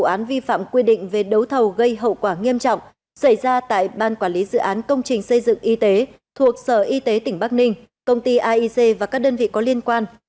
vụ án vi phạm quy định về đấu thầu gây hậu quả nghiêm trọng xảy ra tại ban quản lý dự án công trình xây dựng y tế thuộc sở y tế tỉnh bắc ninh công ty aic và các đơn vị có liên quan